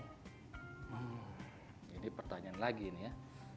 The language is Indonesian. hmm ini pertanyaan lagi nih ya